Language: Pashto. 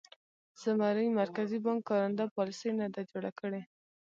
زموږ مرکزي بانک کارنده پالیسي نه ده جوړه کړې.